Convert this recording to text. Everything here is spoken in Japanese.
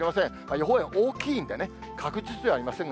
予報円大きいんでね、確実ではありませんが。